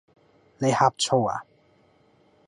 你呷醋呀?